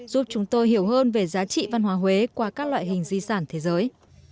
giúp chúng tôi hiểu hơn về giá trị văn hóa huế qua các loại hình di sản thế giới